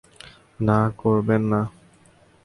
না, করবেন না!